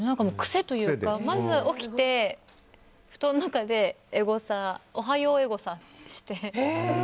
癖というかまず起きて布団の中でおはようエゴサして。